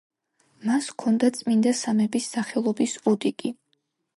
მას ჰქონდა წმინდა სამების სახელობის ოდიკი.